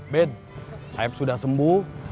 ben sayap sudah sembuh